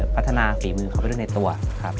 พัฒนาฝีมือเขาไปด้วยในตัวครับ